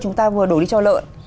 chúng ta vừa đổ đi cho lợn